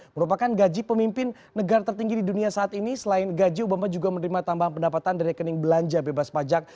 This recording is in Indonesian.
merupakan gaji pemimpin negara tertinggi di dunia saat ini selain gaji obama juga menerima tambahan pendapatan dari rekening belanja bebas pajak